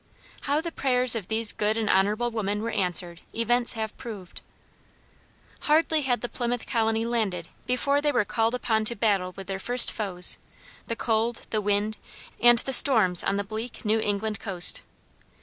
How the prayers of these good and honorable women were answered events have proved. Hardly had the Plymouth Colony landed before they were called upon to battle with their first foes the cold, the wind, and the storms on the bleak New England coast.